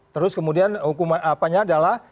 terus kemudian hukuman apanya adalah